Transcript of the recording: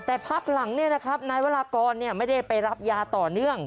แต่พักหลังนายวรากรไม่ได้ไปรับยาต่อเนื่อง